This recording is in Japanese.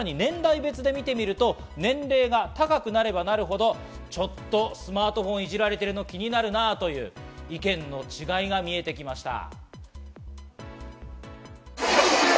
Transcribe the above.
さらに年代別で見てみると年齢が高くなればなるほどちょっとスマートフォンをいじられてるの気になるなぁという意見の違いが見えてきました。